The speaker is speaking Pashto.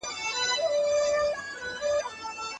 ګرول د خارښ له یرغلګرو د خلاصون غوره لاره ده.